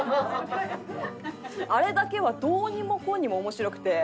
あれだけはどうにもこうにも面白くて。